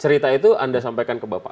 cerita itu anda sampaikan ke bapak